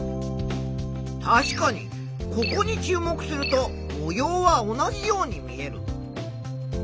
確かにここに注目すると模様は同じように見える。